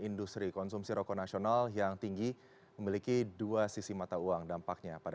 industri konsumsi rokok nasional yang tinggi memiliki dua sisi mata uang dampaknya pada